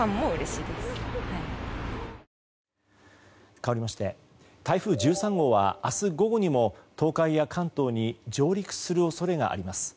かわりまして台風１３号は明日午後にも東海や関東に上陸する恐れがあります。